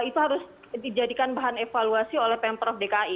itu harus dijadikan bahan evaluasi oleh pemprov dki